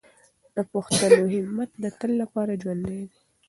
د پښتنو همت د تل لپاره ژوندی دی.